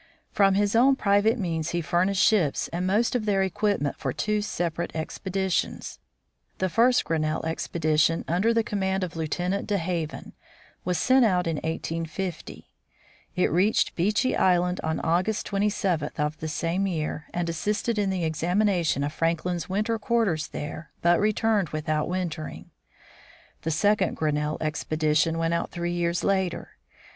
From his own private means he furnished ships and most of their equipment for two separate expeditions. The first Grinnell expedi tion, under the command of Lieutenant De Haven, was sent out in 1850. It reached Beechey island on August 27 of the same year, and assisted in the examination of Franklin's winter quarters there, but returned without Elisha Kent Kane. . M wintering. The second Grinnell expedition went out three years later.